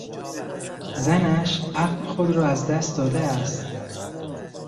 زنش عقل خود را از دست داده است.